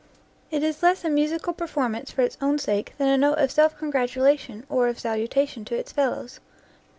It is less a musical performance for its own sake 'than a note of self congratulation, or of salutation to its fellows.